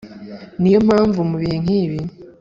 niyo mpamvu mubihe nk’ibi